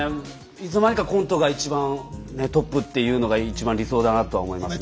いつの間にかコントが一番トップっていうのが一番理想だなとは思いますね。